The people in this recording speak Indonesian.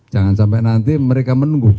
jangan sampai nanti mereka menunggu